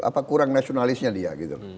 apa kurang nasionalisnya dia